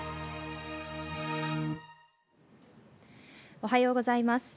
おはようございます。